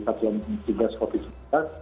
satu yang digugas covid sembilan belas